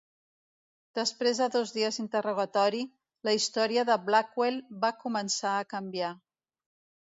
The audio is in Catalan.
Després de dos dies d'interrogatori, la història de Blackwell va començar a canviar.